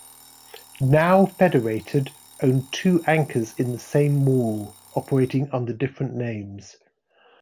Now Federated owned two anchors in the same mall, operating under different names.